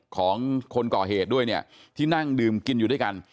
ของคนก่อเหตุด้วยเนี่ยที่นั่งดื่มกินอยู่ด้วยกัน